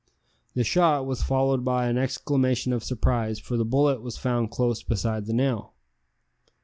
The shot was followed by an exclamation of surprise, for the bullet was found close beside the nail.